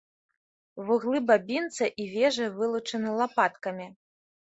Вуглы бабінца і вежы вылучаны лапаткамі.